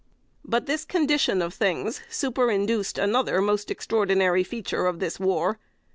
But this condition of things superinduced another most extraordinary feature of this war.